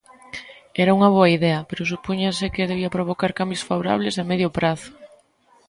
Era unha boa idea, pero supúñase que debía provocar cambios favorables a medio prazo.